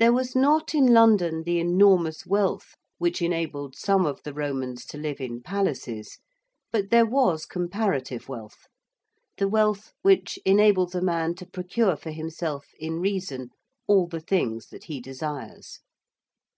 There was not in London the enormous wealth which enabled some of the Romans to live in palaces, but there was comparative wealth the wealth which enables a man to procure for himself in reason all the things that he desires.